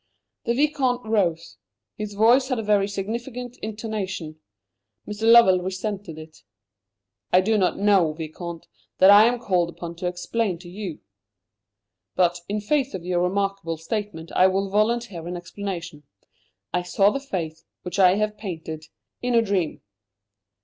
The Vicomte rose. His voice had a very significant intonation. Mr. Lovell resented it. "I do not know, Vicomte, that I am called upon to explain to you. But, in face of your remarkable statement, I will volunteer an explanation. I saw the face, which I have painted, in a dream."